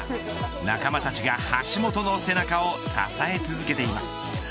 仲間たちが橋本の背中を支え続けています。